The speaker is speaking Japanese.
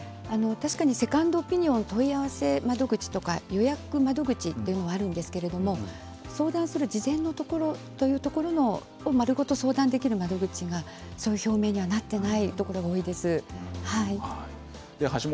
確かにセカンドオピニオン問い合わせ窓口とか予約窓口というのがあるんですがその事前のところを丸ごと相談できる窓口の表現になっていないところが多いです。